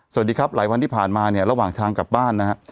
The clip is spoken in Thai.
สวัสดีครับหลายวันที่ผ่านมาเนี่ยระหว่างทางกลับบ้านนะฮะ